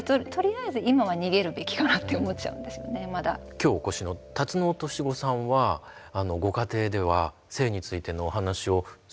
今日お越しのタツノオトシゴさんはご家庭では性についてのお話をするようにしてるそうですね。